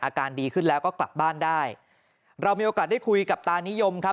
อาการดีขึ้นแล้วก็กลับบ้านได้เรามีโอกาสได้คุยกับตานิยมครับ